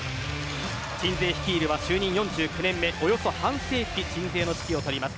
鎮西、率いるは４９年目およそ半世紀鎮西の指揮を執ります